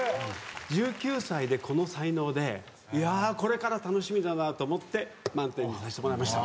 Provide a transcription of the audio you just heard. １９歳でこの才能でこれから楽しみだなと思って満点にさせてもらいました。